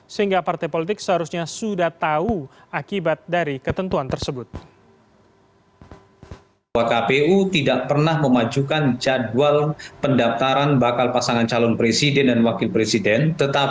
sehingga partai politik seharusnya sudah tahu akibat dari ketentuan tersebut